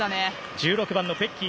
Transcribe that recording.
１６番のベッキー